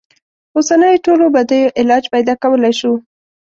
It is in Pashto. اوسنیو ټولو بدیو علاج پیدا کولای شو.